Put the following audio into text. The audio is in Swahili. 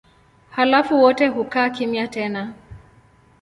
Halafu wote hukaa kimya tena.